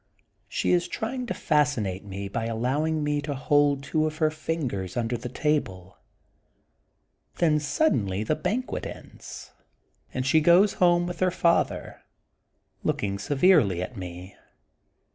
She is trying to fascinate me by allowing me to hold two of her fingers under the table. JThen suddenly the banquet ends and she THE GOLDEN BOOK OF SPRINGFIELD 99 goes home with hei* father, looking severely at me.